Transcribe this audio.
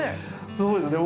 そうですね。